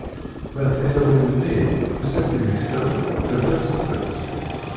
Ma d tilawin-nni, usan-d imeksawen, telfent-tent.